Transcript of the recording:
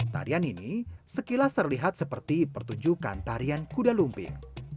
tarian ini sekilas terlihat seperti pertunjukan kudu lempang